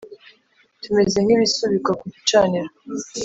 Tumeze nkibisukwa kugicaniro